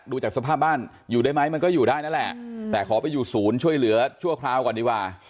ดูจากสภาพบ้านอยู่ได้ไหมมันก็อยู่ได้นั่นแหละแต่ขอไปอยู่ศูนย์ช่วยเหลือชั่วคราวก่อนดีกว่า